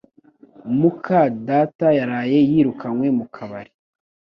muka data yaraye yirukanwe mu kabari